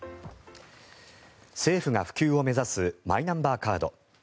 政府が普及を目指すマイナンバーカード。